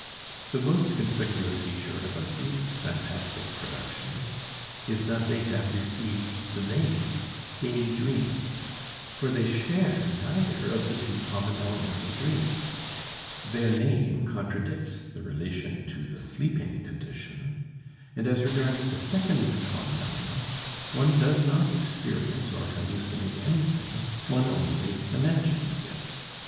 The most conspicuous feature about these phantastic productions is that they have received the name "day dreams," for they share neither of the two common elements of dreams. Their name contradicts the relation to the sleeping condition, and as regards the second common element, one does not experience or hallucinate anything, one only imagines it.